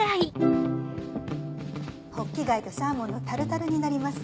ホッキ貝とサーモンのタルタルになります。